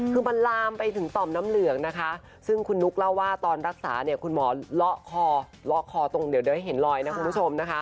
คือมันลามไปถึงต่อมน้ำเหลืองนะคะซึ่งคุณนุ๊กเล่าว่าตอนรักษาเนี่ยคุณหมอเลาะคอเลาะคอตรงเดี๋ยวให้เห็นลอยนะคุณผู้ชมนะคะ